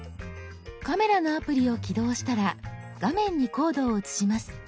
カメラのアプリを起動したら画面にコードを写します。